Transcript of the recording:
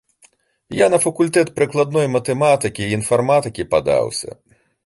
Я на факультэт прыкладной матэматыкі і інфарматыкі падаўся.